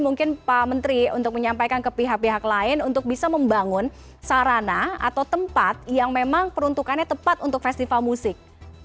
mungkin pak menteri untuk menyampaikan ke pihak pihak lain untuk bisa membangun sarana atau tempat yang memang peruntukannya tepat untuk festival musik